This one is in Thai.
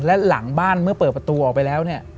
และหลังบ้านเมื่อเปิดประตูออกไปแล้วเนี่ย